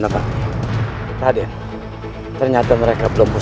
sekarang shiva saja memulai membatalkan seluruh desa pondok maritim